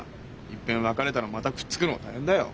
いっぺん別れたのまたくっつくのは大変だよ。